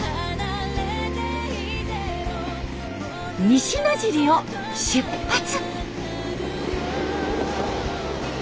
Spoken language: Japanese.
西野尻を出発！